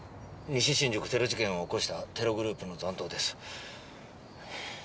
西新宿テロ事件を起こしたテログループの残党です。